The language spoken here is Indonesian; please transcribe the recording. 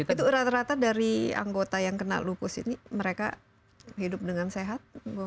itu rata rata dari anggota yang kena lupus ini mereka hidup dengan sehat